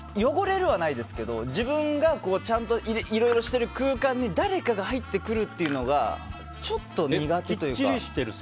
汚れるはないですけど自分がちゃんといろいろしてる空間に誰かが入ってくるっていうのがちょっと苦手というか。